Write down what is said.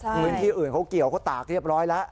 อยู่ดีกว่าที่อื่นเขาเกี่ยวเขาตากเรียบร้อยแล้ว